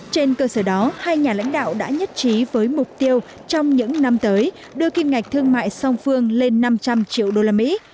trên cơ sở đó hai nhà lãnh đạo đã nhất trí với mục tiêu trong những năm tới đưa kim ngạch thương mại song phương lên năm trăm linh triệu đô la mỹ